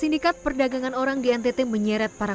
dia pegang jantungnya semua pjtki